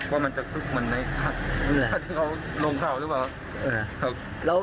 ว่ามันจะคึกเหมือนไหนถ้าเขาลงข่าวหรือเปล่า